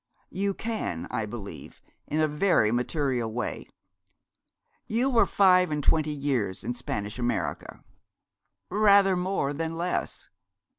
'You can, I believe, in a very material way. You were five and twenty years in Spanish America?' 'Rather more than less.'